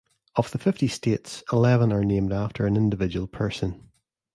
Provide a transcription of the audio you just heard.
Of the fifty states, eleven are named after an individual person.